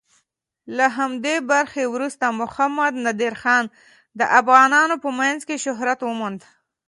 له همدې بري وروسته محمد نادر خان د افغانانو په منځ کې شهرت وموند.